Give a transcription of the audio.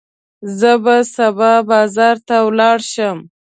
زه به سبا بازار ته ولاړ شم.